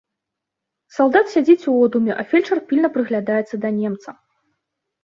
Салдат сядзіць у одуме, а фельчар пільна прыглядаецца да немца.